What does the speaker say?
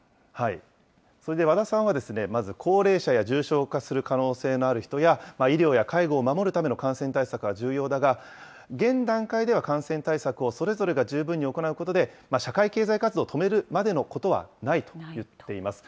それで和田さんは、まず高齢者や重症化する可能性のある人や、医療や介護を守るための感染対策は重要だが、現段階では感染対策をそれぞれが十分に行うことで、社会経済活動を止めるまでのことはないと言っています。